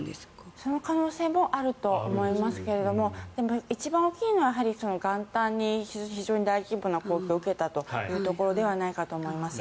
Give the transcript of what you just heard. その可能性もあると思いますけれども一番大きいのは元旦に非常に大規模な攻撃を受けたということではないかと思います。